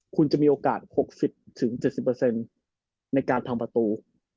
คุณจะมีโอกาส๖๐๗๐ในการทำประตู